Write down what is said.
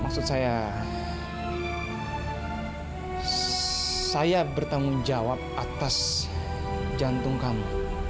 saya bertanggung jawab atas jantung kamu